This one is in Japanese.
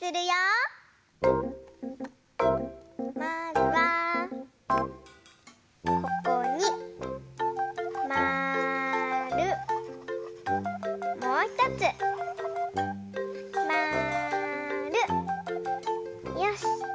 よし！